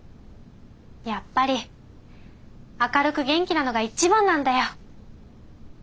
やっぱり明るく元気なのが一番なんだよ。